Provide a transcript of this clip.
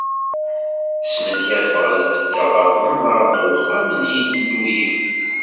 Smenyafeɣ ad beddeɣ ɣer umnar n uxxam n Yillu-iw.